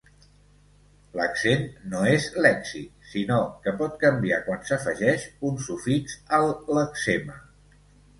L'accent no és lèxic sinó que pot canviar quan s'afegeix un sufix al lexema.